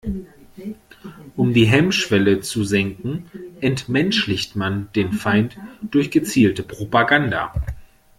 Um die Hemmschwelle zu senken, entmenschlicht man den Feind durch gezielte Propaganda.